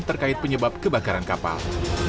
terkait penyebab kebakaran kapal